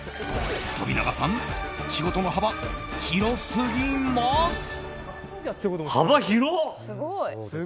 飛永さん、仕事の幅広すぎます。